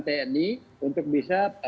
tni untuk bisa